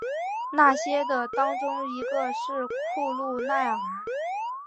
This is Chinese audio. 那些的当中一个是库路耐尔。